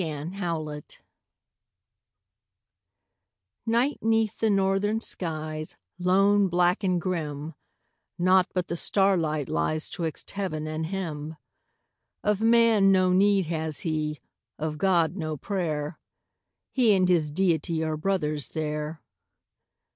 THE CAMPER Night 'neath the northern skies, lone, black, and grim: Naught but the starlight lies 'twixt heaven, and him. Of man no need has he, of God, no prayer; He and his Deity are brothers there.